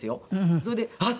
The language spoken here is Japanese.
それであっ！